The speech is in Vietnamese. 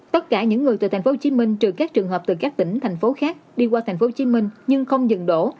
tất cả những người từ tp hcm trừ các trường hợp từ các tỉnh thành phố khác đi qua tp hcm nhưng không dừng đổ